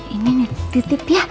ini nih titip ya